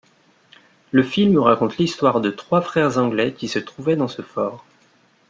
Le film raconte l'histoire de trois frères anglais qui se trouvaient dans ce fort.